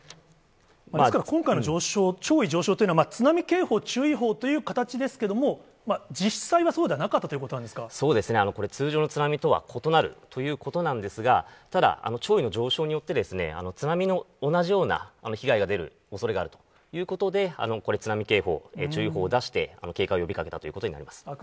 ですから、今回の上昇、潮位上昇というのは、津波警報・注意報という形ですけれども、実際はそうではなかったということなんですそうですね、これ、通常の津波とは異なるということなんですが、ただ、潮位の上昇によって、津波の同じような被害が出るおそれがあるということで、これ、津波警報、注意報を出して、警戒を呼びかけたということになります。